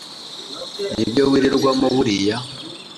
ni byo wirirwamo buriya